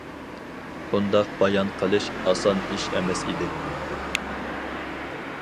بۇنداق بايان قىلىش ئاسان ئىش ئەمەس ئىدى.